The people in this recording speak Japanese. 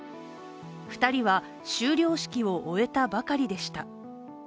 ２人は修了式を終えたばかりでした。